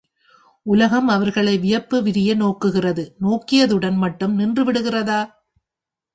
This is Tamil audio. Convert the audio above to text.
உலகம் அவர்களை வியப்பு விரிய நோக்குகிறது நோக்கியதுடன் மட்டும் நின்று விடுகிறதா?